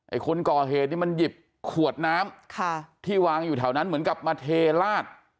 คนก่อเหตุนี่มันหยิบขวดน้ำค่ะที่วางอยู่แถวนั้นเหมือนกับมาเทลาด